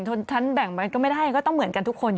คนท่านแบ่งไปก็ไม่ได้ก็ต้องเหมือนกันทุกคน